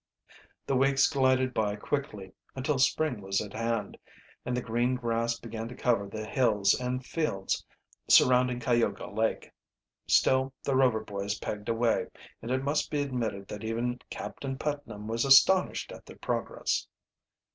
The weeks glided by quickly, until spring was at hand, and the green grass began to cover the bills and fields surrounding Cayuga Lake. Still the Rover boys pegged away, and it must be admitted that even Captain Putnam was astonished at their progress.